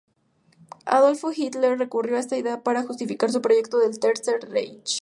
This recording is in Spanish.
Adolf Hitler recurrió a esta idea para justificar su proyecto del Tercer Reich.